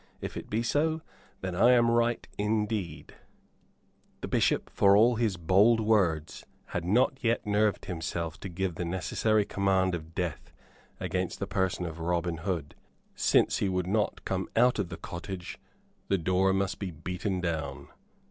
If it be so, then I am right, indeed." The Bishop, for all his bold words, had not yet nerved himself to give the necessary command of death against the person of Robin Hood. Since he would not come out of the cottage, the door must be beaten down.